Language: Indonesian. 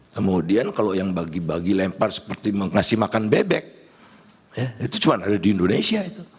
kemudian kalau yang bagi bagi lempar seperti ngasih makan bebek itu cuma ada di indonesia itu